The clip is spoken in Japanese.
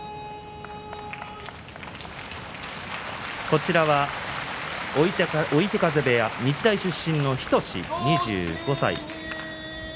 こちらは追手風部屋、日大出身の日翔志２５歳です。